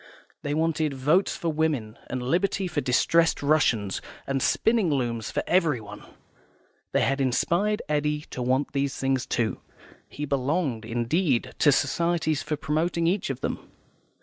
They wanted Votes for Women, and Liberty for Distressed Russians, and spinning looms for everyone. They had inspired Eddy to want these things, too; he belonged, indeed, to societies for promoting each of them.